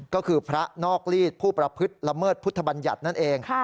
ก็คือพระนอกลีดผู้ประพฤติละเมิดพุทธบัญญัตินั่นเอง